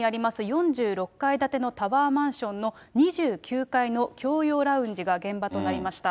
４６階建てのタワーマンションの２９階の共用ラウンジが現場となりました。